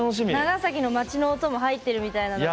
長崎の街の音も入ってるみたいなので。